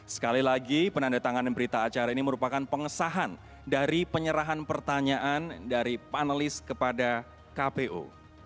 sekali lagi penandatanganan berita acara ini merupakan pengesahan dari penyerahan pertanyaan dari panelis kepada kpu